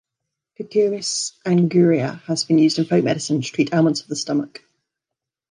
"Cucumis anguria" has been used in folk medicine to treat ailments of the stomach.